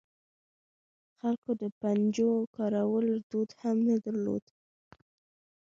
خلکو د پنجو کارولو دود هم نه درلود.